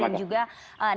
dan juga niatnya